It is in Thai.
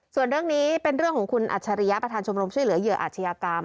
ส่วนเรื่องนี้เป็นเรื่องของคุณอัจฉริยประธานชมรมช่วยเหลือเหยื่ออาชญากรรม